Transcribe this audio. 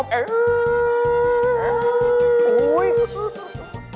โอ้โห